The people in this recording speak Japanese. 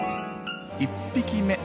１匹目。